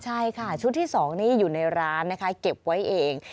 ใช่ค่ะชุดที่สองนี้อยู่ในร้านเก็บไว้เอง